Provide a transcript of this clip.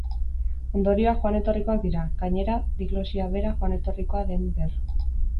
Ondorioak joan-etorrikoak dira, gainera, diglosia bera joan-etorrikoa den ber.